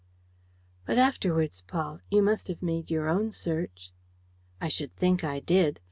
"But afterwards, Paul, you must have made your own search?" "I should think I did!